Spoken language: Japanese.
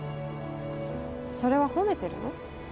それは褒めてるの？